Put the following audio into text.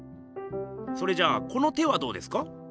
それじゃこの手はどうですか？